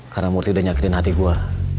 karena murthy udah nyakitin hati gua